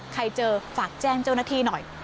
ใครเจอฝากแจ้งเจ้าหน้าที่หน่อย